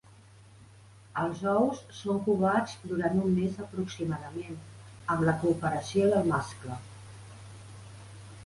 Els ous són covats durant un més aproximadament, amb la cooperació del mascle.